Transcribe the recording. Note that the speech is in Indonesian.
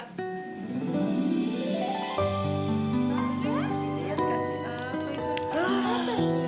lihat kasih apa itu